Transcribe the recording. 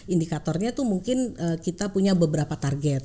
indikatornya itu mungkin kita punya beberapa target